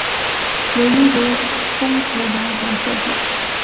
由英商公和洋行设计。